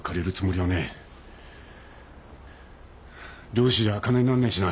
漁師じゃ金になんねえしな。